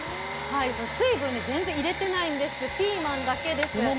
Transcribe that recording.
水分全然入れてないんですピーマンだけです。